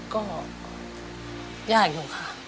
ก็ยากอยู่ค่ะ